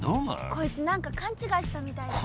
こいつ何か勘違いしたみたいで。